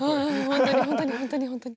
本当に本当に本当に本当に。